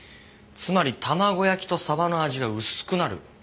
つまり卵焼きと鯖の味が薄くなる。